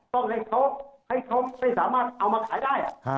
ต้องให้เขาไม่สามารถเอามาขายได้